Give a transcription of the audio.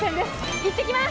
行ってきます。